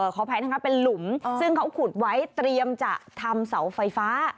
ขออภัยนะคะเป็นหลุมซึ่งเขาขุดไว้เตรียมจะทำเสาไฟฟ้า